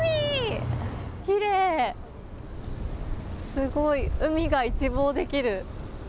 すごい、海が一望できる。